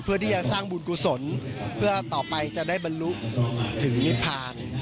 เพื่อที่จะสร้างบุญกุศลเพื่อต่อไปจะได้บรรลุถึงนิพพาน